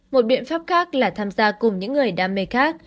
một biện pháp khác là tham gia cùng những người đam mê khác